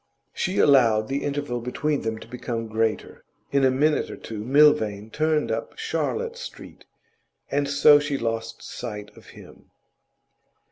She allowed the interval between them to become greater. In a minute or two Milvain turned up Charlotte Street, and so she lost sight of him.